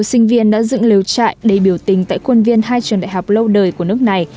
sinh viên đã dựng lều trại để biểu tình tại quân viên hai trường đại học lâu đời của nước này